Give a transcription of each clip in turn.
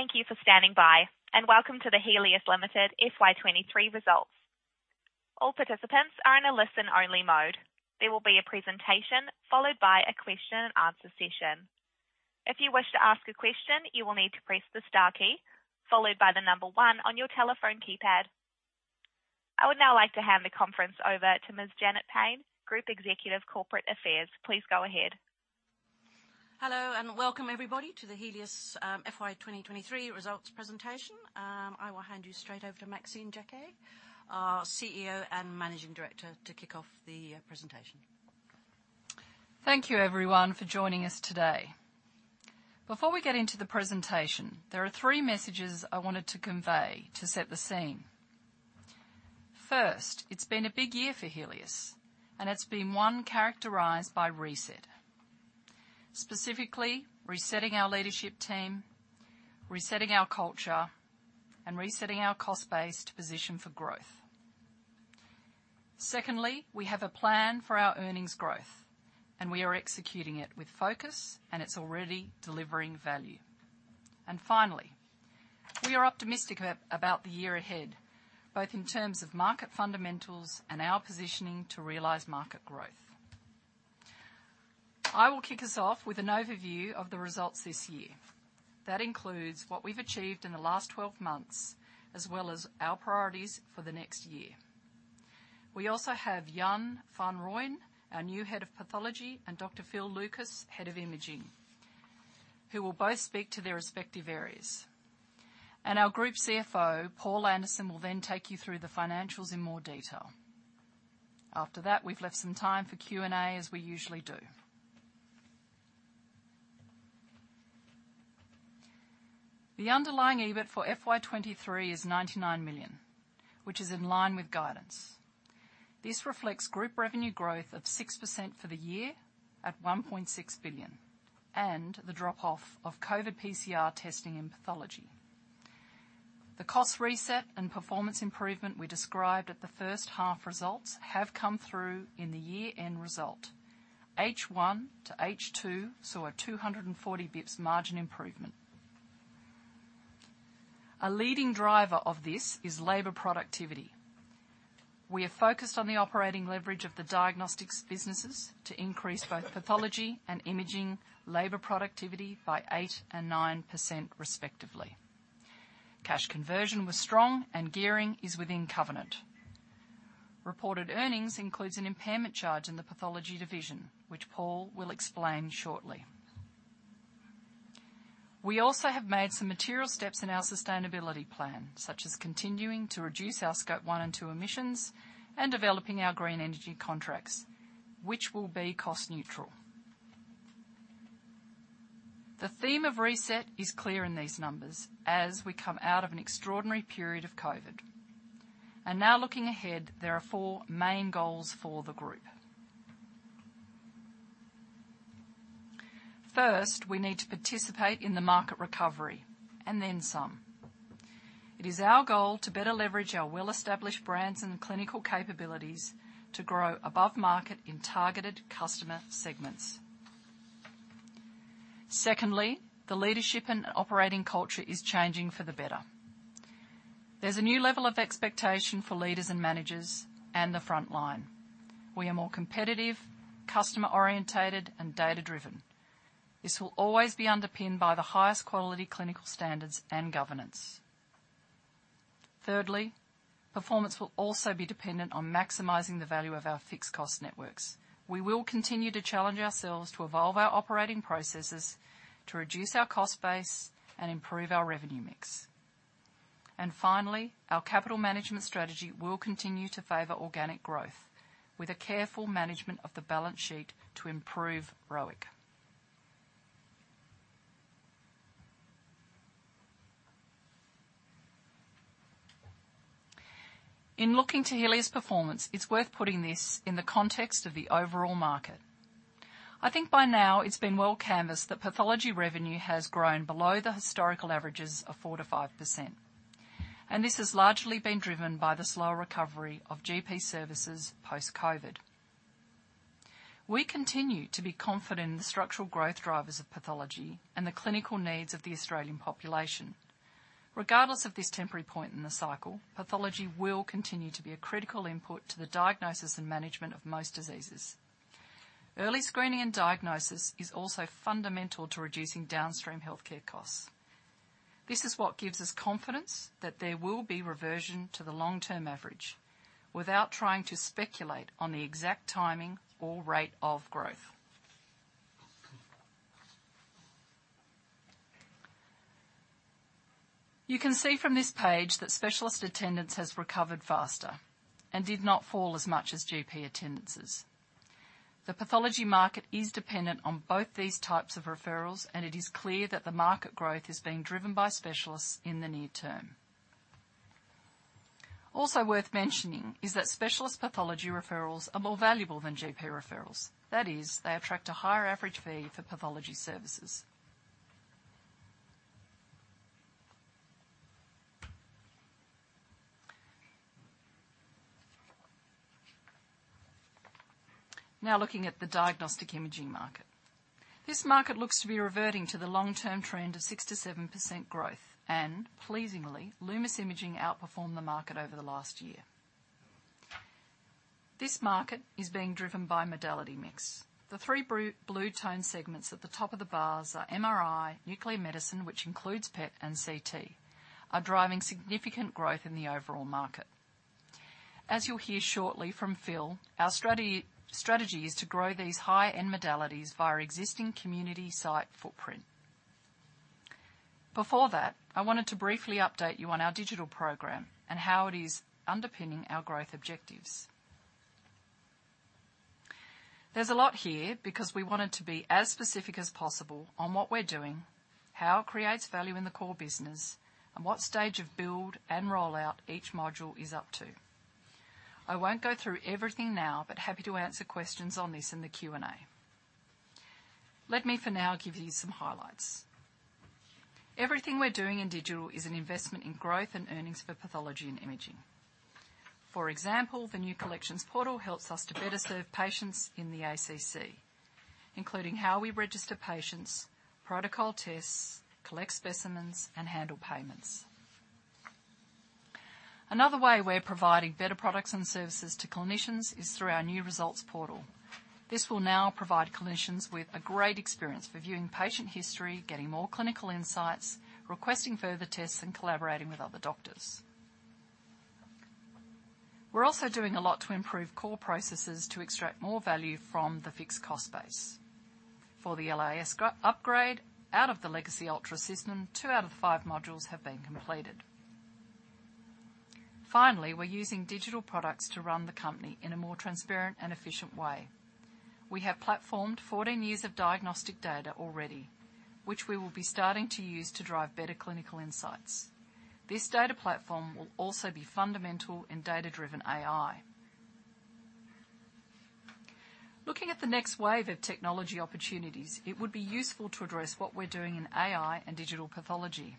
Thank you for standing by, and welcome to the Healius Limited FY23 results. All participants are in a listen-only mode. There will be a presentation, followed by a question and answer session. If you wish to ask a question, you will need to press the star key, followed by the number one on your telephone keypad. I would now like to hand the conference over to Ms. Janet Payne, Group Executive, Corporate Affairs. Please go ahead. Hello, and welcome, everybody, to the Healius FY23 results presentation. I will hand you straight over to Maxine Jaquet, our CEO and Managing Director, to kick off the presentation. Thank you, everyone, for joining us today. Before we get into the presentation, there are three messages I wanted to convey to set the scene. First, it's been a big year for Healius, and it's been one characterized by reset, specifically resetting our leadership team, resetting our culture, and resetting our cost base to position for growth. Secondly, we have a plan for our earnings growth, and we are executing it with focus, and it's already delivering value. And finally, we are optimistic about the year ahead, both in terms of market fundamentals and our positioning to realize market growth. I will kick us off with an overview of the results this year. That includes what we've achieved in the last 12 months, as well as our priorities for the next year. We also have Jan van Rooyen, our new head of pathology, and Dr Phil Lucas, head of imaging, who will both speak to their respective areas. And our Group CFO, Paul Anderson, will then take you through the financials in more detail. After that, we've left some time for Q&A, as we usually do. The underlying EBIT for FY23 is 99 million, which is in line with guidance. This reflects group revenue growth of 6% for the year at 1.6 billion, and the drop-off of COVID PCR testing in pathology. The cost reset and performance improvement we described at the first half results have come through in the year-end result. H1 to H2 saw a 240 BPS margin improvement. A leading driver of this is labor productivity. We are focused on the operating leverage of the diagnostics businesses to increase both pathology and imaging labor productivity by 8% and 9% respectively. Cash conversion was strong, and gearing is within covenant. Reported earnings includes an impairment charge in the pathology division, which Paul will explain shortly. We also have made some material steps in our sustainability plan, such as continuing to reduce our Scope 1 and 2 emissions and developing our green energy contracts, which will be cost neutral. The theme of reset is clear in these numbers as we come out of an extraordinary period of COVID. And now, looking ahead, there are four main goals for the Group. First, we need to participate in the market recovery, and then some. It is our goal to better leverage our well-established brands and clinical capabilities to grow above market in targeted customer segments. Secondly, the leadership and operating culture is changing for the better. There's a new level of expectation for leaders and managers and the front line. We are more competitive, customer-oriented, and data-driven. This will always be underpinned by the highest quality clinical standards and governance. Thirdly, performance will also be dependent on maximizing the value of our fixed cost networks. We will continue to challenge ourselves to evolve our operating processes, to reduce our cost base and improve our revenue mix. And finally, our capital management strategy will continue to favor organic growth, with a careful management of the balance sheet to improve ROIC. In looking to Healius' performance, it's worth putting this in the context of the overall market. I think by now it's been well canvassed that pathology revenue has grown below the historical averages of 4%-5%, and this has largely been driven by the slower recovery of GP services post-COVID. We continue to be confident in the structural growth drivers of pathology and the clinical needs of the Australian population. Regardless of this temporary point in the cycle, pathology will continue to be a critical input to the diagnosis and management of most diseases. Early screening and diagnosis is also fundamental to reducing downstream healthcare costs. This is what gives us confidence that there will be reversion to the long-term average without trying to speculate on the exact timing or rate of growth. You can see from this page that specialist attendance has recovered faster and did not fall as much as GP attendances. The pathology market is dependent on both these types of referrals, and it is clear that the market growth is being driven by specialists in the near term. Also worth mentioning is that specialist pathology referrals are more valuable than GP referrals. That is, they attract a higher average fee for pathology services. Now looking at the diagnostic imaging market. This market looks to be reverting to the long-term trend of 6%-7% growth, and pleasingly, Lumus Imaging outperformed the market over the last year. This market is being driven by modality mix. The three blue tone segments at the top of the bars are MRI, nuclear medicine, which includes PET and CT, are driving significant growth in the overall market. As you'll hear shortly from Phil, our strategy is to grow these high-end modalities via existing community site footprint. Before that, I wanted to briefly update you on our digital program and how it is underpinning our growth objectives. There's a lot here because we wanted to be as specific as possible on what we're doing, how it creates value in the core business, and what stage of build and rollout each module is up to. I won't go through everything now, but happy to answer questions on this in the Q&A. Let me, for now, give you some highlights. Everything we're doing in digital is an investment in growth and earnings for pathology and imaging. For example, the new collections portal helps us to better serve patients in the ACC, including how we register patients, protocol tests, collect specimens, and handle payments. Another way we're providing better products and services to clinicians is through our new results portal. This will now provide clinicians with a great experience for viewing patient history, getting more clinical insights, requesting further tests, and collaborating with other doctors. We're also doing a lot to improve core processes to extract more value from the fixed cost base. For the LIS upgrade, out of the legacy Ultra system, 2 out of 5 modules have been completed. Finally, we're using digital products to run the company in a more transparent and efficient way. We have platformed 14 years of diagnostic data already, which we will be starting to use to drive better clinical insights. This data platform will also be fundamental in data-driven AI. Looking at the next wave of technology opportunities, it would be useful to address what we're doing in AI and digital pathology.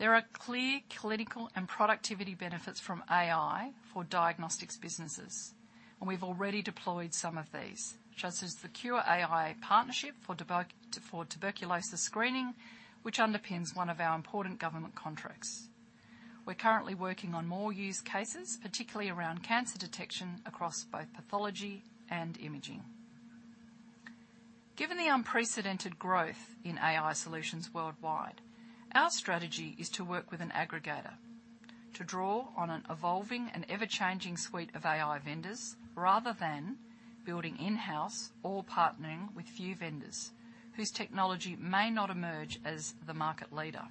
There are clear clinical and productivity benefits from AI for diagnostics businesses, and we've already deployed some of these, such as the Qure.ai partnership for tuberculosis screening, which underpins one of our important government contracts. We're currently working on more use cases, particularly around cancer detection, across both pathology and imaging. Given the unprecedented growth in AI solutions worldwide, our strategy is to work with an aggregator to draw on an evolving and ever-changing suite of AI vendors, rather than building in-house or partnering with few vendors whose technology may not emerge as the market leader.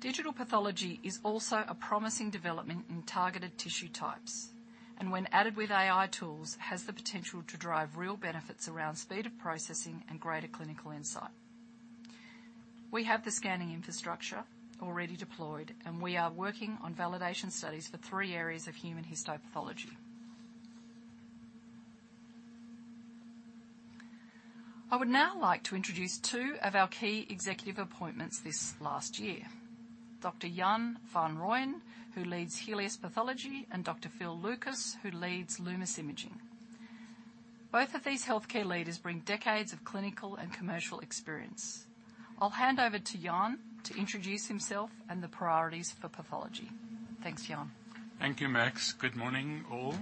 Digital pathology is also a promising development in targeted tissue types, and when added with AI tools, has the potential to drive real benefits around speed of processing and greater clinical insight. We have the scanning infrastructure already deployed, and we are working on validation studies for three areas of human histopathology. I would now like to introduce two of our key executive appointments this last year, Dr. Jan van Rooyen, who leads Healius Pathology, and Dr. Phil Lucas, who leads Lumus Imaging. Both of these healthcare leaders bring decades of clinical and commercial experience. I'll hand over to Jan to introduce himself and the priorities for pathology. Thanks, Jan. Thank you, Max. Good morning, all.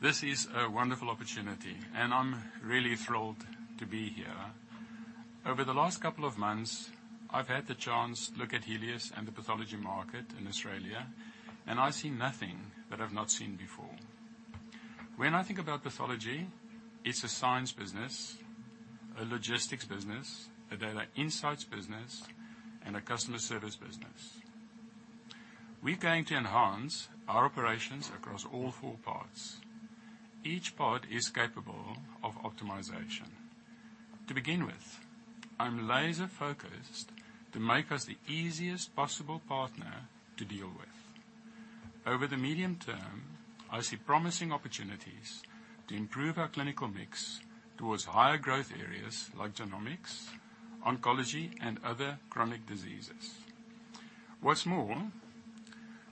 This is a wonderful opportunity, and I'm really thrilled to be here. Over the last couple of months, I've had the chance to look at Healius and the pathology market in Australia, and I see nothing that I've not seen before. When I think about pathology, it's a science business, a logistics business, a data insights business, and a customer service business. We're going to enhance our operations across all four parts. Each part is capable of optimization. To begin with, I'm laser-focused to make us the easiest possible partner to deal with. Over the medium term, I see promising opportunities to improve our clinical mix towards higher growth areas like genomics, oncology, and other chronic diseases. What's more,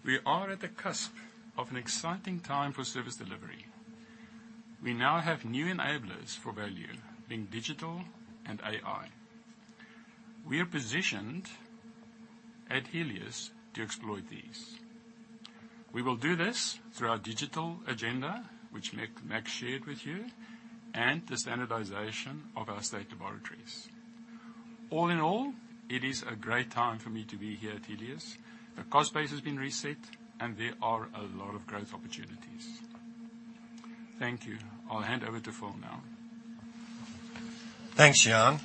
we are at the cusp of an exciting time for service delivery. We now have new enablers for value, being digital and AI. We are positioned at Healius to exploit these. We will do this through our digital agenda, which Max shared with you, and the standardization of our state laboratories. All in all, it is a great time for me to be here at Healius. The cost base has been reset, and there are a lot of growth opportunities. Thank you. I'll hand over to Phil now. Thanks, Jan.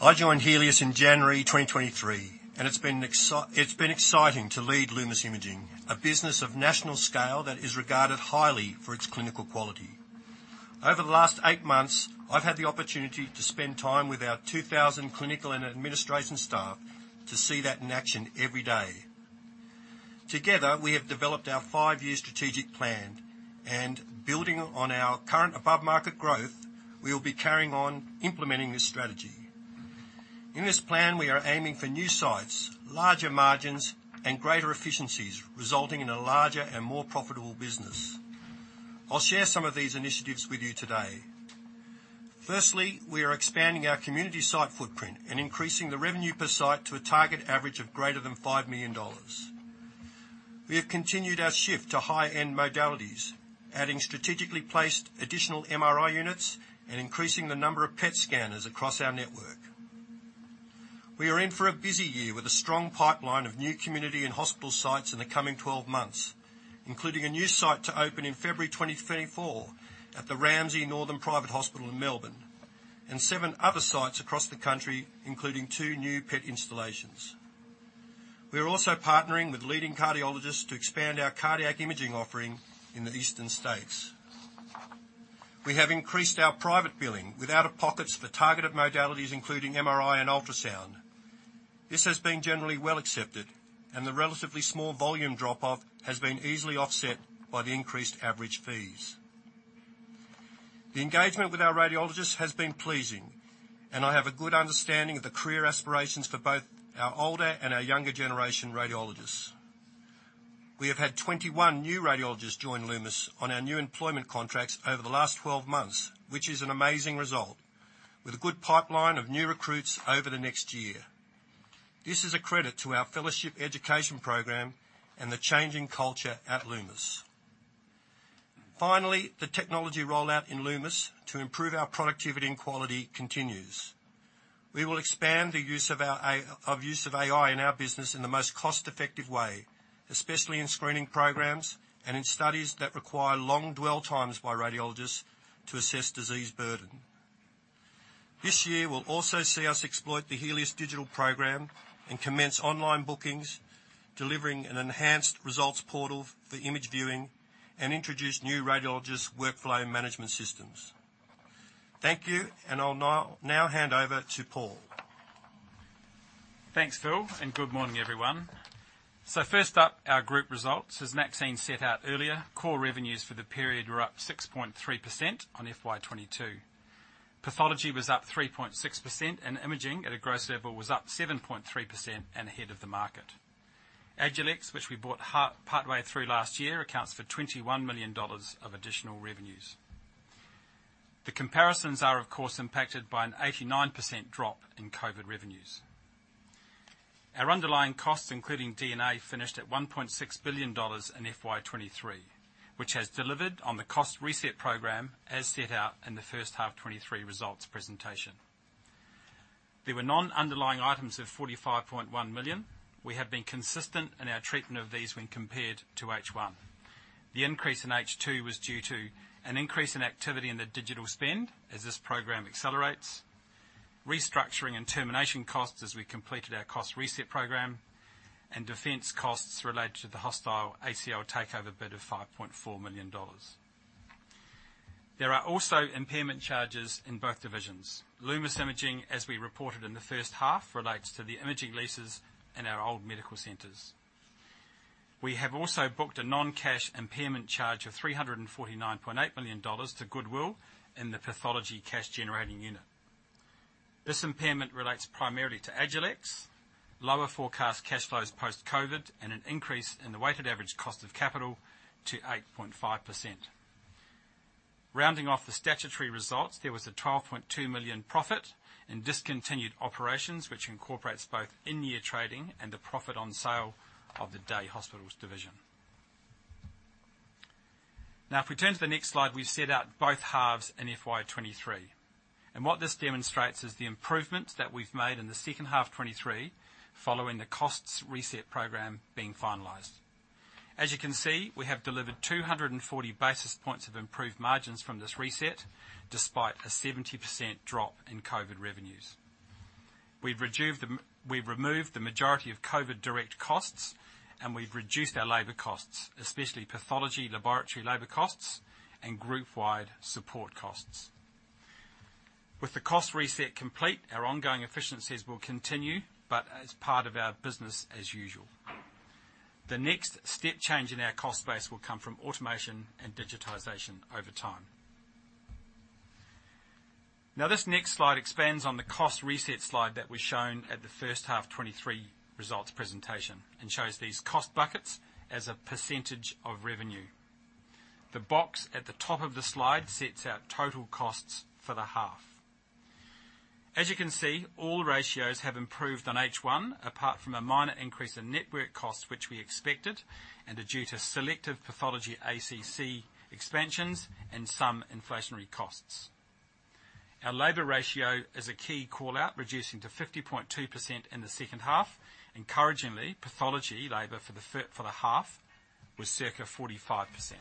I joined Healius in January 2023, and it's been exciting to lead Lumus Imaging, a business of national scale that is regarded highly for its clinical quality. Over the last eight months, I've had the opportunity to spend time with our 2,000 clinical and administration staff to see that in action every day. Together, we have developed our five year strategic plan, and building on our current above-market growth, we will be carrying on implementing this strategy. In this plan, we are aiming for new sites, larger margins, and greater efficiencies, resulting in a larger and more profitable business. I'll share some of these initiatives with you today. Firstly, we are expanding our community site footprint and increasing the revenue per site to a target average of greater than AUD 5 million. We have continued our shift to high-end modalities, adding strategically placed additional MRI units and increasing the number of PET scanners across our network. We are in for a busy year with a strong pipeline of new community and hospital sites in the coming 12 months, including a new site to open in February 2024 at the Ramsay Northern Private Hospital in Melbourne, and seven other sites across the country, including two new PET installations. We are also partnering with leading cardiologists to expand our cardiac imaging offering in the eastern states. We have increased our private billing with out-of-pockets for targeted modalities, including MRI and ultrasound. This has been generally well accepted, and the relatively small volume drop-off has been easily offset by the increased average fees. The engagement with our radiologists has been pleasing, and I have a good understanding of the career aspirations for both our older and our younger generation radiologists. We have had 21 new radiologists join Lumus on our new employment contracts over the last 12 months, which is an amazing result, with a good pipeline of new recruits over the next year. This is a credit to our fellowship education program and the changing culture at Lumus. Finally, the technology rollout in Lumus to improve our productivity and quality continues. We will expand the use of our AI in our business in the most cost-effective way, especially in screening programs and in studies that require long dwell times by radiologists to assess disease burden. This year will also see us exploit the Healius digital program and commence online bookings, delivering an enhanced results portal for image viewing, and introduce new radiologist workflow management systems. Thank you, and I'll now hand over to Paul. Thanks, Phil, and good morning, everyone. So first up, our group results. As Maxine set out earlier, core revenues for the period were up 6.3% on FY 2022. Pathology was up 3.6%, and imaging, at a gross level, was up 7.3% and ahead of the market. Agilex, which we bought halfway through last year, accounts for 21 million dollars of additional revenues. The comparisons are, of course, impacted by an 89% drop in COVID revenues. Our underlying costs, including D&A, finished at 1.6 billion dollars in FY23, which has delivered on the cost reset program, as set out in the first half 2023 results presentation. There were non-underlying items of 45.1 million. We have been consistent in our treatment of these when compared to H1. The increase in H2 was due to an increase in activity in the digital spend as this program accelerates, restructuring and termination costs as we completed our cost reset program, and defense costs related to the hostile ACL takeover bid of 5.4 million dollars. There are also impairment charges in both divisions. Lumus Imaging, as we reported in the first half, relates to the imaging leases in our old medical centers. We have also booked a non-cash impairment charge of 349.8 million dollars to goodwill in the pathology cash-generating unit. This impairment relates primarily to Agilex, lower forecast cash flows post-COVID, and an increase in the weighted average cost of capital to 8.5%. Rounding off the statutory results, there was a 12.2 million profit in discontinued operations, which incorporates both in-year trading and the profit on sale of the day hospitals division. Now, if we turn to the next slide, we've set out both halves in FY23, and what this demonstrates is the improvements that we've made in the second half of 2023 following the costs reset program being finalized. As you can see, we have delivered 240 basis points of improved margins from this reset, despite a 70% drop in COVID revenues. We've removed the majority of COVID direct costs, and we've reduced our labor costs, especially pathology, laboratory, labor costs, and group-wide support costs. With the cost reset complete, our ongoing efficiencies will continue, but as part of our business as usual. The next step change in our cost base will come from automation and digitization over time. Now, this next slide expands on the cost reset slide that we've shown at the first half 2023 results presentation and shows these cost buckets as a percentage of revenue. The box at the top of the slide sets out total costs for the half. As you can see, all ratios have improved on H1, apart from a minor increase in network costs, which we expected, and are due to selective pathology ACC expansions and some inflationary costs. Our labor ratio is a key call-out, reducing to 50.2% in the second half. Encouragingly, pathology labor for the half was circa 45%.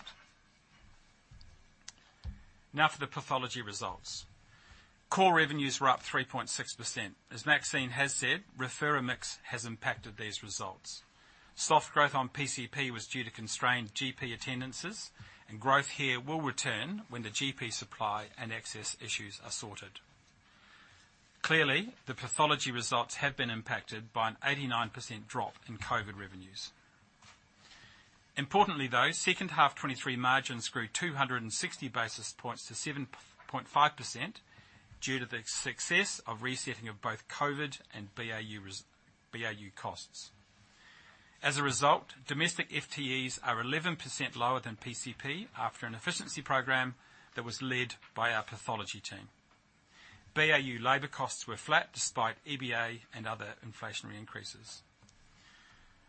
Now for the pathology results. Core revenues were up 3.6%. As Maxine has said, referrer mix has impacted these results. Soft growth on PCP was due to constrained GP attendances, and growth here will return when the GP supply and access issues are sorted. Clearly, the pathology results have been impacted by an 89% drop in COVID revenues.... Importantly, though, second half 2023 margins grew 260 basis points to 7.5% due to the success of resetting of both COVID and BAU costs. As a result, domestic FTEs are 11% lower than PCP after an efficiency program that was led by our pathology team. BAU labor costs were flat despite EBA and other inflationary increases.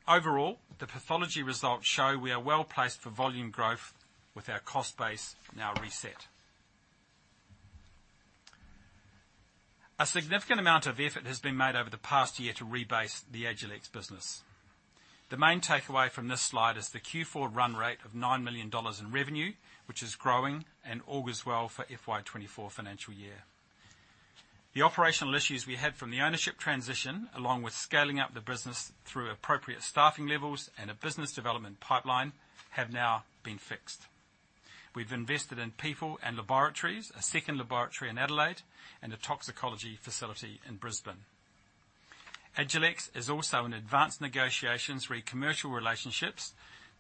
Overall, the pathology results show we are well-placed for volume growth, with our cost base now reset. A significant amount of effort has been made over the past year to rebase the Agilex business. The main takeaway from this slide is the Q4 run rate of 9 million dollars in revenue, which is growing, and augurs well for FY24 financial year. The operational issues we had from the ownership transition, along with scaling up the business through appropriate staffing levels and a business development pipeline, have now been fixed. We've invested in people and laboratories, a second laboratory in Adelaide, and a toxicology facility in Brisbane. Agilex is also in advanced negotiations for a commercial relationships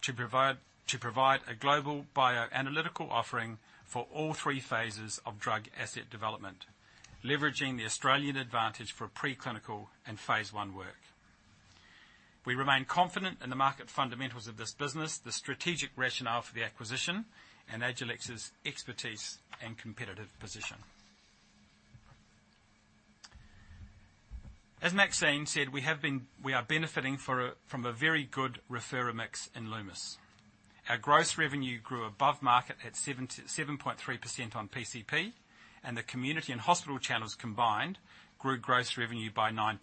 to provide, to provide a global bioanalytical offering for all three phases of drug asset development, leveraging the Australian advantage for preclinical and Phase I work. We remain confident in the market fundamentals of this business, the strategic rationale for the acquisition, and Agilex's expertise and competitive position. As Maxine said, we have been, we are benefiting from a very good referrer mix in Lumus. Our gross revenue grew above market at 77.3% on PCP, and the community and hospital channels combined grew gross revenue by 9%.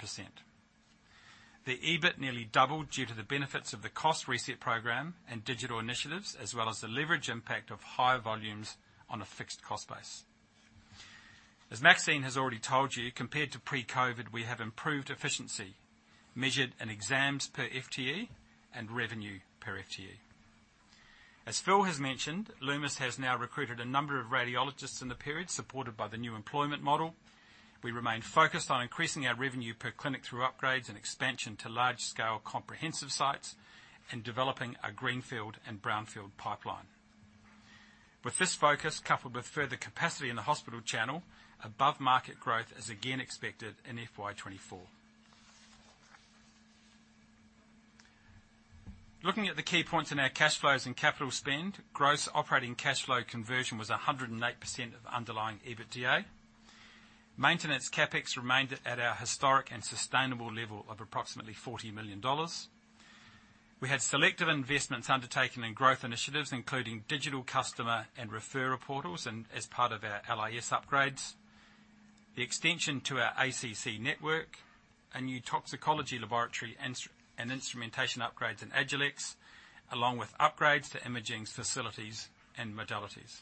The EBIT nearly doubled due to the benefits of the cost reset program and digital initiatives, as well as the leverage impact of higher volumes on a fixed cost base. As Maxine has already told you, compared to pre-COVID, we have improved efficiency, measured in exams per FTE and revenue per FTE. As Phil has mentioned, Lumus has now recruited a number of radiologists in the period, supported by the new employment model. We remain focused on increasing our revenue per clinic through upgrades and expansion to large-scale comprehensive sites, and developing a greenfield and brownfield pipeline. With this focus, coupled with further capacity in the hospital channel, above market growth is again expected in FY24. Looking at the key points in our cash flows and capital spend, gross operating cash flow conversion was 108% of underlying EBITDA. Maintenance CapEx remained at our historic and sustainable level of approximately 40 million dollars. We had selective investments undertaken in growth initiatives, including digital customer and referrer portals, and as part of our LIS upgrades, the extension to our ACC network, a new toxicology laboratory, instruments and instrumentation upgrades in Agilex, along with upgrades to imaging facilities and modalities.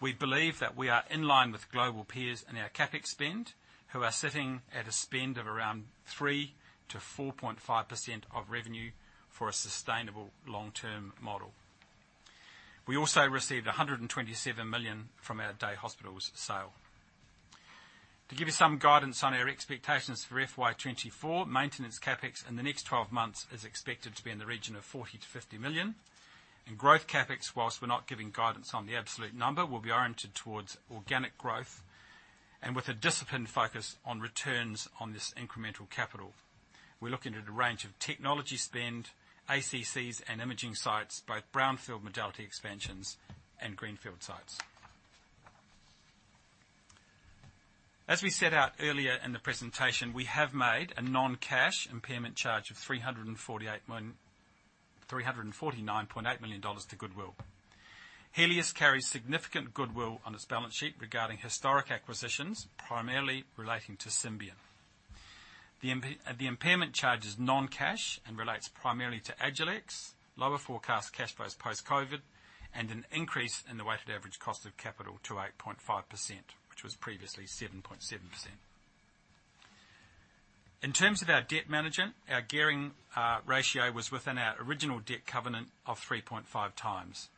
We believe that we are in line with global peers in our CapEx spend, who are sitting at a spend of around 3%-4.5% of revenue for a sustainable long-term model. We also received 127 million from our day hospitals sale. To give you some guidance on our expectations for FY24, maintenance CapEx in the next twelve months is expected to be in the region of 40-50 million, and growth CapEx, whilst we're not giving guidance on the absolute number, will be oriented towards organic growth and with a disciplined focus on returns on this incremental capital. We're looking at a range of technology spend, ACCs and imaging sites, both brownfield modality expansions and greenfield sites. As we set out earlier in the presentation, we have made a non-cash impairment charge of AUD 348 million, 349.8 million dollars to goodwill. Healius carries significant goodwill on its balance sheet regarding historic acquisitions, primarily relating to Symbion. The impairment charge is non-cash and relates primarily to Agilex, lower forecast cash flows post-COVID, and an increase in the weighted average cost of capital to 8.5%, which was previously 7.7%. In terms of our debt management, our gearing ratio was within our original debt covenant of 3.5 times.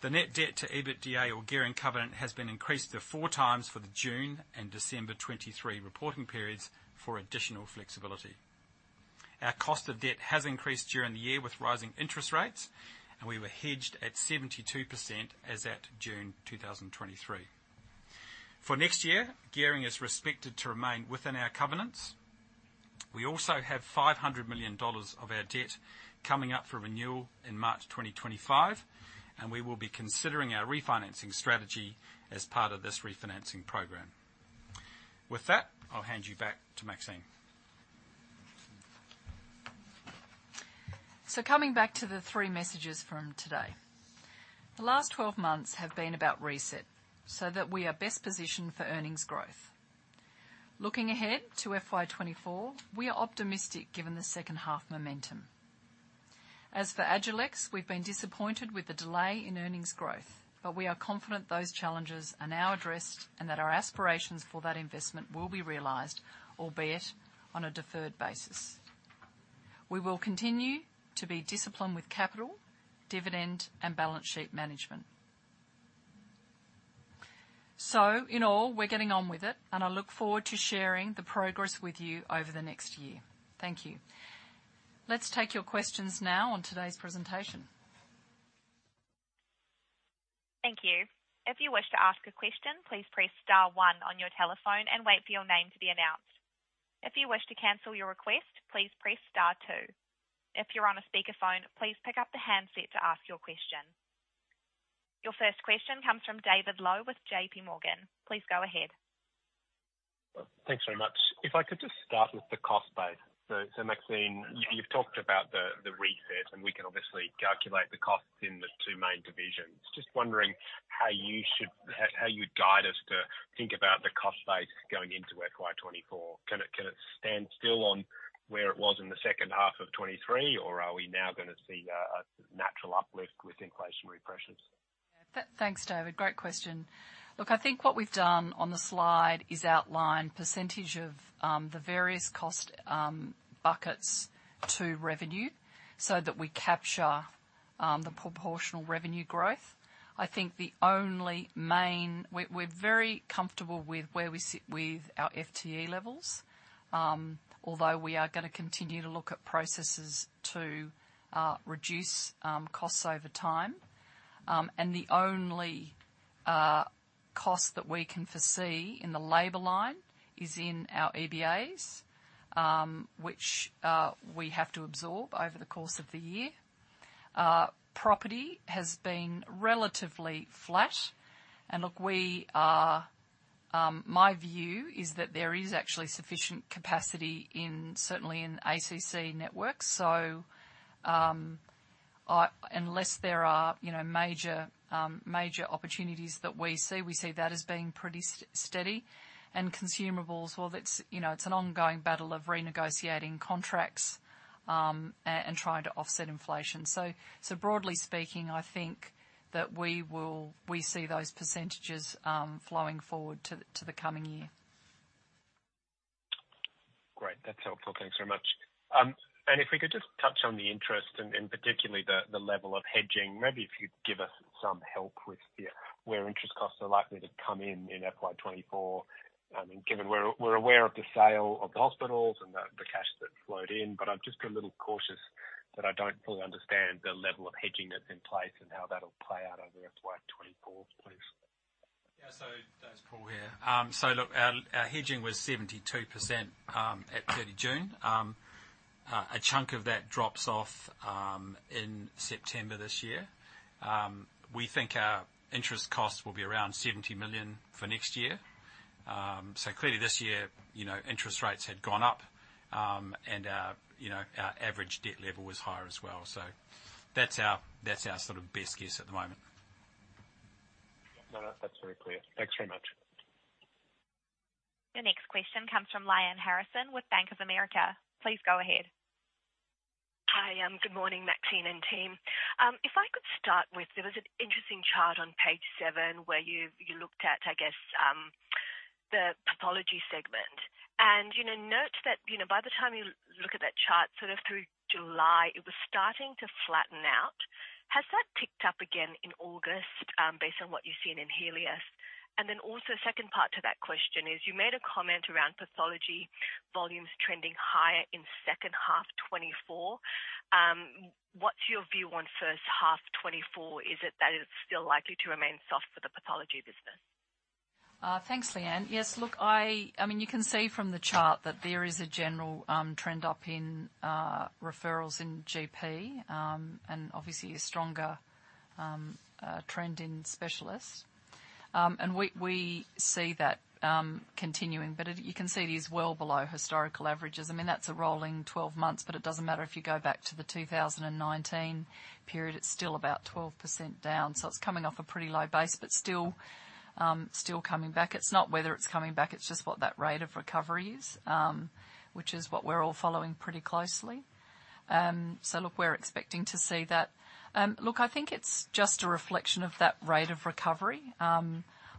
The net debt to EBITDA or gearing covenant has been increased to four times for the June and December 2023 reporting periods for additional flexibility. Our cost of debt has increased during the year with rising interest rates, and we were hedged at 72% as at June 2023. For next year, gearing is expected to remain within our covenants. We also have 500 million dollars of our debt coming up for renewal in March 2025, and we will be considering our refinancing strategy as part of this refinancing program. With that, I'll hand you back to Maxine. So coming back to the three messages from today. The last 12 months have been about reset, so that we are best positioned for earnings growth. Looking ahead to FY24, we are optimistic given the second half momentum. As for Agilex, we've been disappointed with the delay in earnings growth, but we are confident those challenges are now addressed and that our aspirations for that investment will be realized, albeit on a deferred basis. We will continue to be disciplined with capital, dividend, and balance sheet management. So in all, we're getting on with it, and I look forward to sharing the progress with you over the next year. Thank you. Let's take your questions now on today's presentation. Thank you. If you wish to ask a question, please press star one on your telephone and wait for your name to be announced. If you wish to cancel your request, please press star two. If you're on a speakerphone, please pick up the handset to ask your question. Your first question comes from David Lowe with JP Morgan. Please go ahead. Thanks very much. If I could just start with the cost base. So, Maxine, you've talked about the reset, and we can obviously calculate the costs in the two main divisions. Just wondering how you'd guide us to think about the cost base going into FY24. Can it stand still on where it was in the second half of 2023, or are we now gonna see a natural uplift with inflationary pressures? Thanks, David. Great question. Look, I think what we've done on the slide is outline percentage of the various cost buckets to revenue so that we capture the proportional revenue growth. I think... We're very comfortable with where we sit with our FTE levels, although we are gonna continue to look at processes to reduce costs over time. And the only cost that we can foresee in the labor line is in our EBAs, which we have to absorb over the course of the year. Property has been relatively flat, and look, we are, my view is that there is actually sufficient capacity in, certainly in ACC networks. So, I, unless there are, you know, major major opportunities that we see, we see that as being pretty steady. Consumables, well, that's, you know, it's an ongoing battle of renegotiating contracts and trying to offset inflation. So broadly speaking, I think that we see those percentages flowing forward to the coming year. Great. That's helpful. Thanks very much. And if we could just touch on the interest and particularly the level of hedging. Maybe if you'd give us some help with where interest costs are likely to come in in FY24. I mean, given we're aware of the sale of the hospitals and the cash that flowed in, but I'm just a little cautious that I don't fully understand the level of hedging that's in place and how that'll play out over FY24, please. Yeah, so that's Paul here. So look, our, our hedging was 72% at 30 June. A chunk of that drops off in September this year. We think our interest costs will be around 70 million for next year. So clearly this year, you know, interest rates had gone up, and our, you know, our average debt level was higher as well. So that's our, that's our sort of best guess at the moment. No, no, that's very clear. Thanks very much. Your next question comes from Lyanne Harrison with Bank of America. Please go ahead. Hi, good morning, Maxine and team. If I could start with, there was an interesting chart on page 7 where you, you looked at, I guess, the pathology segment, and, you know, note that, you know, by the time you look at that chart, sort of through July, it was starting to flatten out. Has that picked up again in August, based on what you've seen in Healius? And then also, second part to that question is, you made a comment around pathology volumes trending higher in second half 2024. What's your view on first half 2024? Is it that it's still likely to remain soft for the pathology business? Thanks, Lyanne. Yes, look, I mean, you can see from the chart that there is a general trend up in referrals in GP, and obviously a stronger trend in specialists. And we see that continuing, but you can see it is well below historical averages. I mean, that's a rolling 12 months, but it doesn't matter if you go back to the 2019 period, it's still about 12% down, so it's coming off a pretty low base, but still coming back. It's not whether it's coming back, it's just what that rate of recovery is, which is what we're all following pretty closely. So look, we're expecting to see that. Look, I think it's just a reflection of that rate of recovery.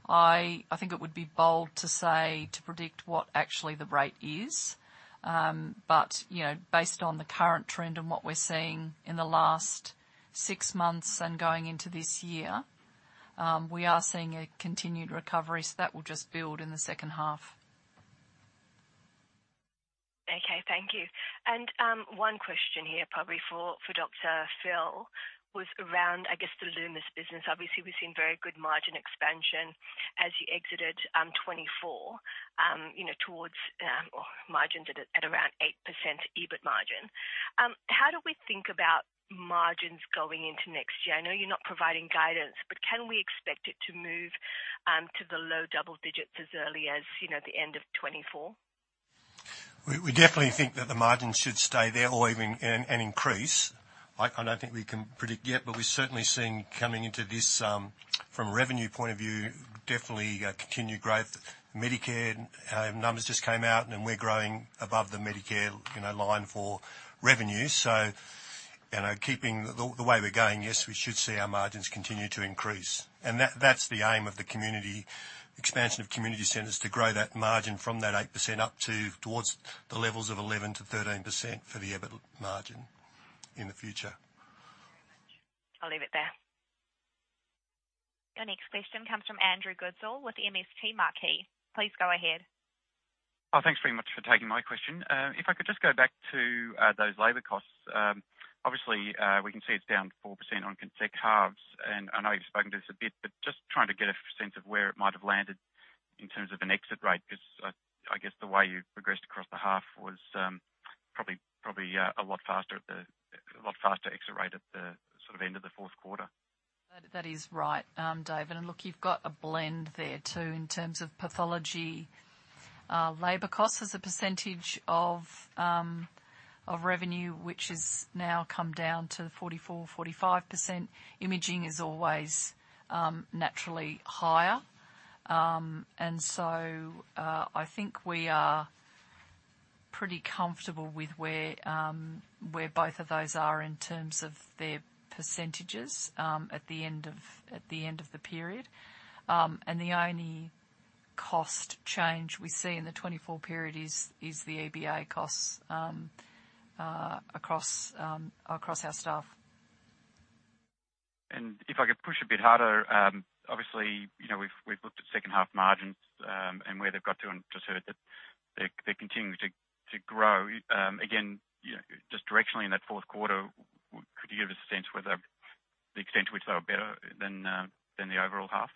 I think it would be bold to say, to predict what actually the rate is. But, you know, based on the current trend and what we're seeing in the last six months and going into this year, we are seeing a continued recovery, so that will just build in the second half. Okay. Thank you. And, one question here, probably for, for Dr. Phil, was around, I guess the Lumus business. Obviously, we've seen very good margin expansion as you exited, 2024, you know, towards, or margins at, at around 8% EBIT margin. How do we think about margins going into next year? I know you're not providing guidance, but can we expect it to move, to the low double digits as early as, you know, the end of 2024? We, we definitely think that the margins should stay there or even, and, and increase. I, I don't think we can predict yet, but we're certainly seeing coming into this, from a revenue point of view, definitely, continued growth. Medicare, numbers just came out, and we're growing above the Medicare, you know, line for revenue. So, you know, keeping the, the way we're going, yes, we should see our margins continue to increase. And that-that's the aim of the community, expansion of community centers, to grow that margin from that 8% up to towards the levels of 11%-13% for the EBIT margin in the future. I'll leave it there. Your next question comes from Andrew Goodsall with MST Marquee. Please go ahead. Oh, thanks very much for taking my question. If I could just go back to those labor costs. Obviously, we can see it's down 4% on consecutive halves, and I know you've spoken to this a bit, but just trying to get a sense of where it might have landed in terms of an exit rate. Because I guess the way you progressed across the half was probably a lot faster exit rate at the sort of end of the fourth quarter. That, that is right, Andrew. And look, you've got a blend there, too, in terms of pathology. Labor costs as a percentage of revenue, which has now come down to 44%-45%. Imaging is always naturally higher. And so, I think we are pretty comfortable with where both of those are in terms of their percentages at the end of the period. And the only cost change we see in the 2024 period is the EBA costs across our staff. If I could push a bit harder, obviously, you know, we've looked at second half margins, and where they've got to, and just heard that they're continuing to grow. Again, you know, just directionally in that fourth quarter, could you give us a sense whether the extent to which they were better than the overall half?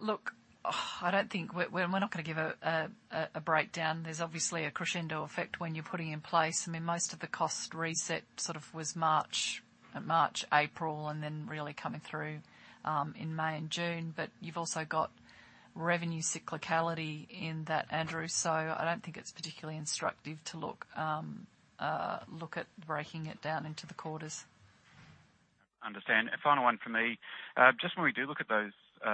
Look, I don't think we're not gonna give a breakdown. There's obviously a crescendo effect when you're putting in place. I mean, most of the cost reset sort of was March, April, and then really coming through in May and June. But you've also got revenue cyclicality in that, Andrew, so I don't think it's particularly instructive to look at breaking it down into the quarters. Understand. A final one for me. Just when we do look at those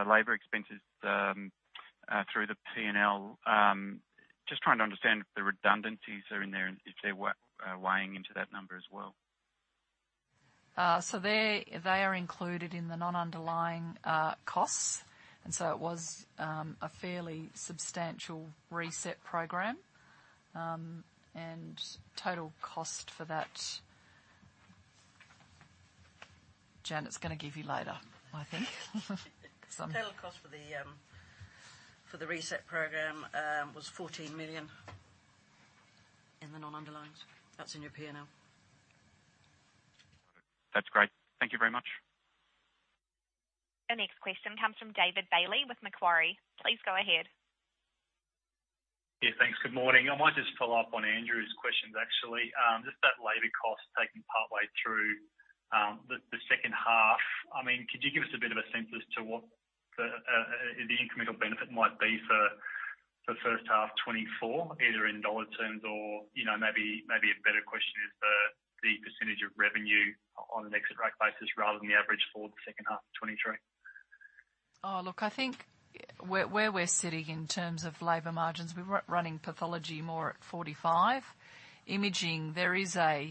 labor expenses through the PNL, just trying to understand if the redundancies are in there and if they're weighing into that number as well? So they, they are included in the non-underlying costs, and so it was a fairly substantial reset program. And total cost for that... Jan, it's gonna give you later, I think. Total cost for the reset program was 14 million in the non-underlyings. That's in your PNL. That's great. Thank you very much. The next question comes from David Bailey with Macquarie. Please go ahead. Yeah, thanks. Good morning. I might just follow up on Andrew's questions, actually. Just that labor cost taking partway through the second half. I mean, could you give us a bit of a sense as to what the incremental benefit might be for first half 2024, either in dollar terms or, you know, maybe a better question is the percentage of revenue on an exit rate basis rather than the average for the second half of 2023? Oh, look, I think where we're sitting in terms of labor margins, we're running pathology more at 45. Imaging, there is an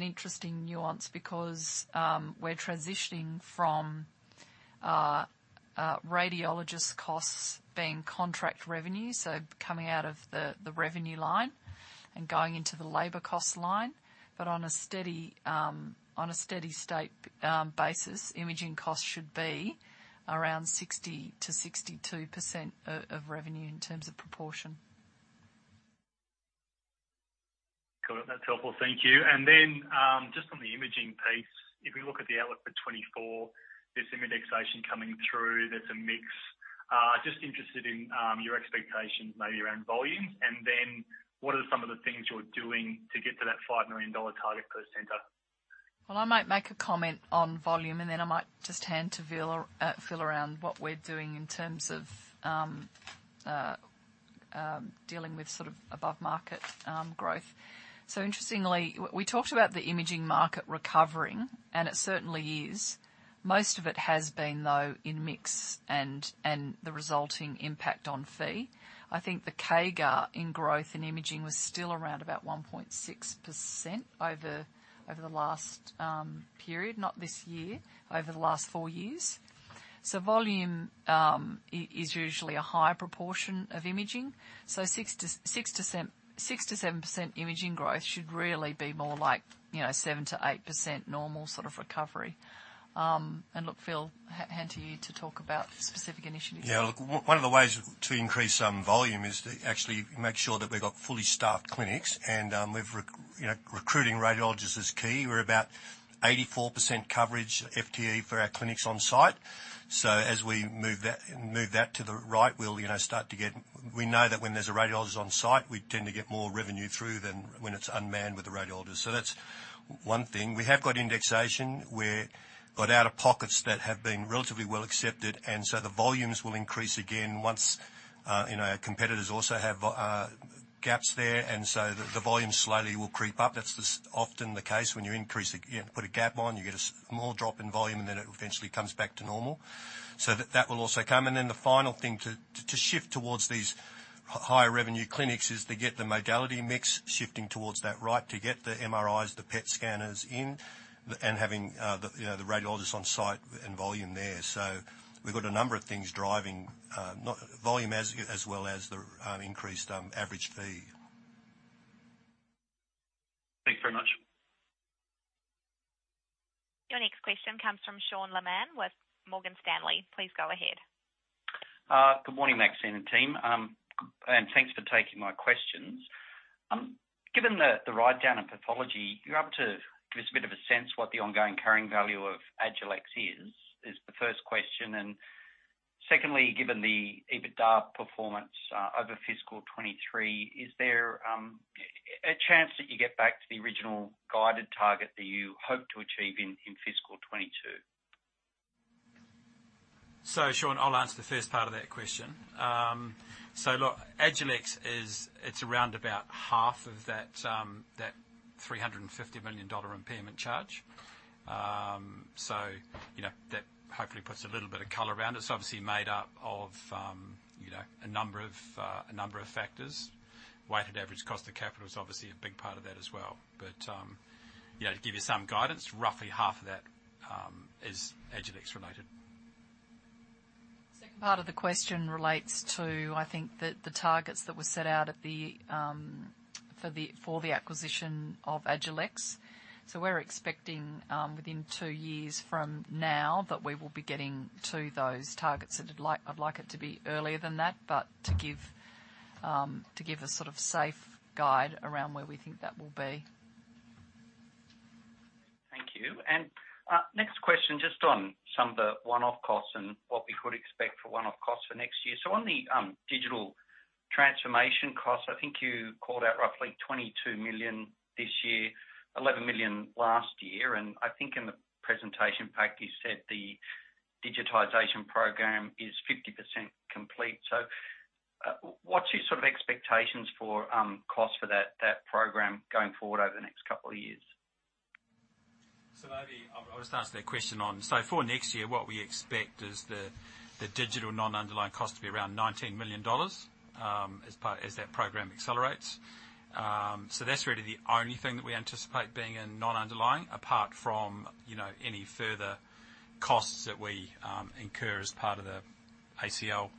interesting nuance because we're transitioning from radiologist costs being contract revenue, so coming out of the revenue line and going into the labor cost line. But on a steady state basis, imaging costs should be around 60%-62% of revenue in terms of proportion. Got it. That's helpful. Thank you. And then, just on the imaging piece, if we look at the outlook for 2024, there's some indexation coming through, there's a mix. Just interested in, your expectations maybe around volumes, and then what are some of the things you're doing to get to that 5 million dollar target per center? Well, I might make a comment on volume, and then I might just hand to Phil, Phil, around what we're doing in terms of dealing with sort of above market growth. So interestingly, we talked about the imaging market recovering, and it certainly is. Most of it has been, though, in mix and the resulting impact on fee. I think the CAGR in growth in imaging was still around about 1.6% over the last period, not this year, over the last four years. So volume is usually a higher proportion of imaging, so 6%-7% imaging growth should really be more like, you know, 7%-8% normal sort of recovery. And look, Phil, hand to you to talk about specific initiatives. Yeah, look, one of the ways to increase volume is to actually make sure that we've got fully staffed clinics, and we've, you know, recruiting radiologists is key. We're about 84% coverage FTE for our clinics on site. So as we move that to the right, we'll, you know, start to get. We know that when there's a radiologist on site, we tend to get more revenue through than when it's unmanned with a radiologist. So that's one thing. We have got indexation. We've got out-of-pockets that have been relatively well accepted, and so the volumes will increase again once, you know, our competitors also have gaps there, and so the volumes slowly will creep up. That's often the case when you increase, you know, put a gap on, you get a small drop in volume, and then it eventually comes back to normal. So that will also come. And then the final thing to shift towards these higher revenue clinics is to get the modality mix shifting towards that, right, to get the MRIs, the PET scanners in, and having, the, you know, the radiologists on site and volume there. So we've got a number of things driving not volume as well as the increased average fee. Your next question comes from Sean Laaman with Morgan Stanley. Please go ahead. Good morning, Maxine and team, and thanks for taking my questions. Given the write down in pathology, you're able to give us a bit of a sense what the ongoing carrying value of Agilex is, is the first question. And secondly, given the EBITDA performance over fiscal 2023, is there a chance that you get back to the original guided target that you hoped to achieve in fiscal 2022? So, Sean, I'll answer the first part of that question. So look, Agilex is, it's around about half of that, that three hundred and fifty million dollar impairment charge. So, you know, that hopefully puts a little bit of color around it. It's obviously made up of, you know, a number of, a number of factors. Weighted average cost of capital is obviously a big part of that as well. But, you know, to give you some guidance, roughly half of that, is Agilex related. Second part of the question relates to, I think, the targets that were set out at the, for the acquisition of Agilex. So we're expecting within two years from now, that we will be getting to those targets. I'd like it to be earlier than that, but to give a sort of safe guide around where we think that will be. Thank you. And, next question, just on some of the one-off costs and what we could expect for one-off costs for next year. So on the, digital transformation costs, I think you called out roughly 22 million this year, 11 million last year, and I think in the presentation pack, you said the digitization program is 50% complete. So, what's your sort of expectations for, costs for that, that program going forward over the next couple of years? Maybe I'll just answer that question. So for next year, what we expect is the digital non-underlying cost to be around AUD 19 million, as that program accelerates. So that's really the only thing that we anticipate being in non-underlying, apart from, you know, any further costs that we incur as part of the ACL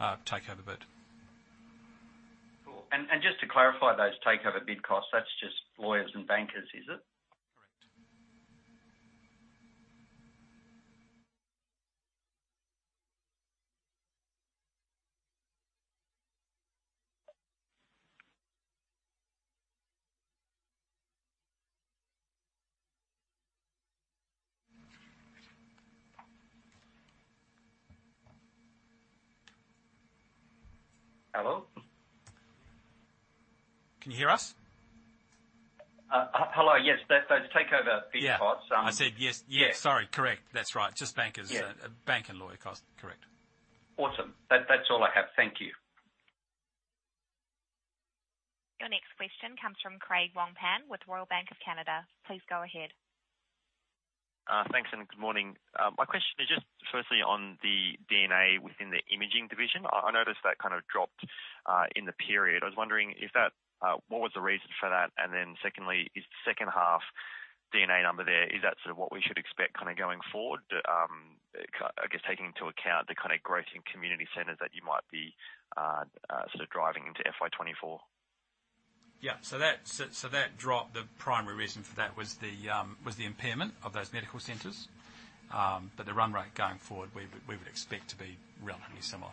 takeover bid. Cool. And just to clarify, those takeover bid costs, that's just lawyers and bankers, is it? Correct. Hello? Can you hear us? Hello. Yes, that, so the takeover bid costs- Yeah. I said yes. Yes. Sorry, correct. That's right. Just bankers- Yeah. Bank and lawyer costs. Correct. Awesome. That, that's all I have. Thank you. Your next question comes from Craig Wong-Pan with Royal Bank of Canada. Please go ahead. Thanks, and good morning. My question is just firstly on the D&A within the imaging division. I noticed that kind of dropped in the period. I was wondering, is that what was the reason for that? And then secondly, is the second half D&A number there, is that sort of what we should expect kind of going forward? I guess, taking into account the kind of growth in community centers that you might be sort of driving into FY24. Yeah. So that's, so that drop, the primary reason for that was the impairment of those medical centers. But the run rate going forward, we would expect to be relatively similar.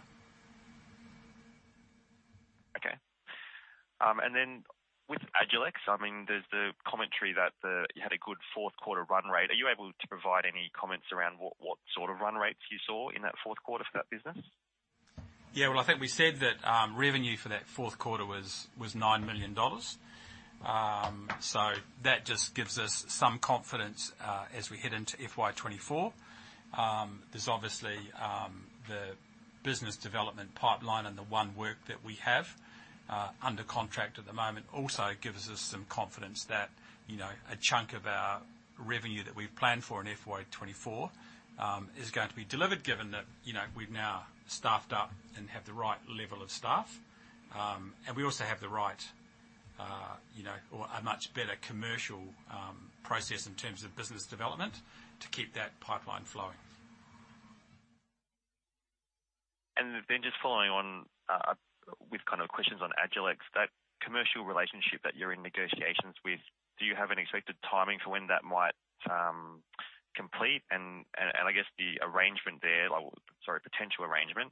Okay. And then with Agilex, I mean, there's the commentary that you had a good fourth quarter run rate. Are you able to provide any comments around what sort of run rates you saw in that fourth quarter for that business? Yeah, well, I think we said that, revenue for that fourth quarter was, was 9 million dollars. So that just gives us some confidence, as we head into FY24. There's obviously, the business development pipeline and the one work that we have, under contract at the moment also gives us some confidence that, you know, a chunk of our revenue that we've planned for in FY24, is going to be delivered, given that, you know, we've now staffed up and have the right level of staff. And we also have the right, you know, or a much better commercial, process in terms of business development to keep that pipeline flowing. And then just following on with kind of questions on Agilex, that commercial relationship that you're in negotiations with, do you have an expected timing for when that might complete? And I guess the arrangement there, or, sorry, potential arrangement,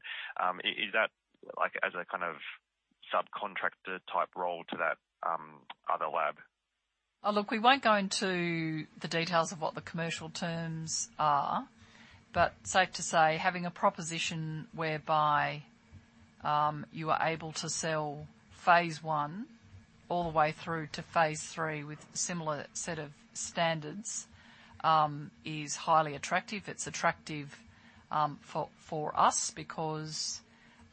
is that like as a kind of subcontractor type role to that other lab? Oh, look, we won't go into the details of what the commercial terms are, but safe to say, having a proposition whereby you are able to sell phase I all the way through to phase III with similar set of standards is highly attractive. It's attractive for us because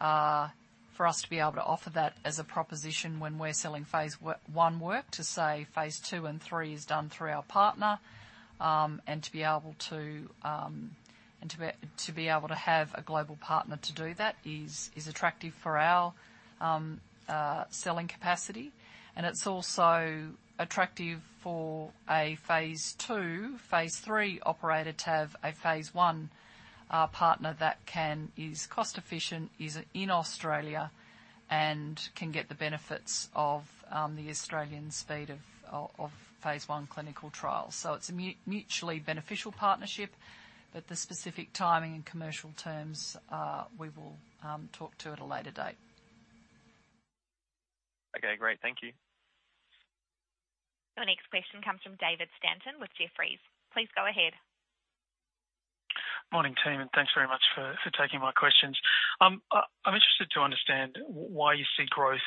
for us to be able to offer that as a proposition when we're selling phase I work to, say, phase II and three is done through our partner. And to be able to have a global partner to do that is attractive for our selling capacity, and it's also attractive for a phase II, phase III operator to have a phase I partner that is cost efficient, is in Australia, and can get the benefits of the Australian speed of phase I clinical trials. So it's a mutually beneficial partnership, but the specific timing and commercial terms we will talk to at a later date. Okay, great. Thank you. Your next question comes from David Stanton with Jefferies. Please go ahead. Morning, team, and thanks very much for taking my questions. I'm interested to understand why you see growth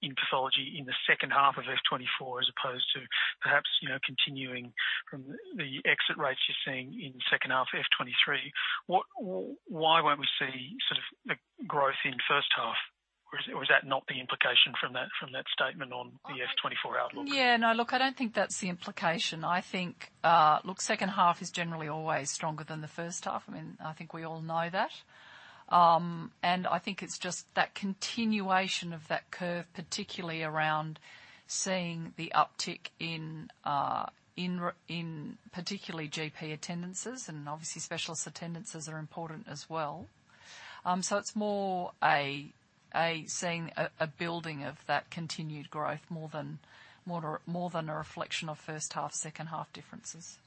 in pathology in the second half of FY24 as opposed to perhaps, you know, continuing from the exit rates you're seeing in second half FY23. Why won't we see sort of a growth in first half? Or is that not the implication from that statement on the FY24 outlook? Yeah, no, look, I don't think that's the implication. I think, look, second half is generally always stronger than the first half. I mean, I think we all know that. And I think it's just that continuation of that curve, particularly around seeing the uptick in particularly GP attendances, and obviously specialist attendances are important as well. So it's more a seeing a building of that continued growth more than a reflection of first half, second half differences.